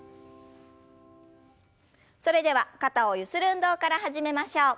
それでは肩をゆする運動から始めましょう。